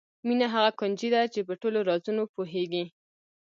مینه هغه کونجي ده چې په ټولو رازونو پوهېږو.